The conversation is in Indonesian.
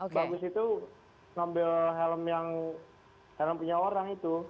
bagus itu ngambil helm yang helm punya orang itu